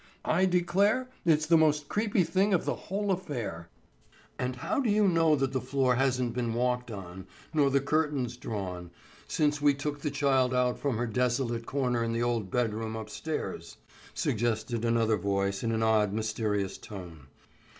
I declare, it's the most creepy thing of the whole affair." "And how do you know that the floor hasn't been walked on, nor the curtains drawn, since we took the child out from her desolate corner in the old bed room upstairs?" suggested another voice in an odd, mysterious tone.